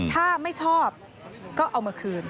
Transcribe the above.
ถ้าไม่ชอบก็เอามาคืน